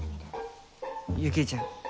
雪衣ちゃん。